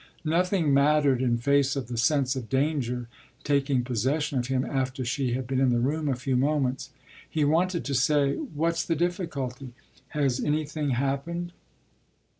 Nothing mattered in face of the sense of danger taking possession of him after she had been in the room a few moments. He wanted to say, "What's the difficulty? Has anything happened?"